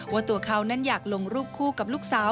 ว่าตัวเขานั้นอยากลงรูปคู่กับลูกสาว